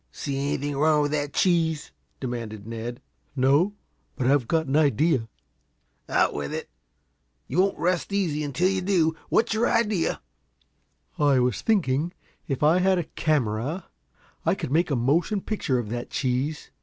"See anything wrong with that cheese?" demanded Ned. "No, but I've got an idea." "Out with it! You won't rest easy until you do. What's your idea?" "I was thinking, if I had a camera, I could make a motion picture of that cheese.